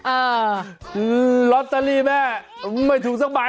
เฮ่ยลอตเตอรี่แม่ไม่ถูกทั้งมาย